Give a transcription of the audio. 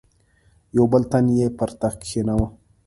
یو بل تن یې پر تخت کښېناوه.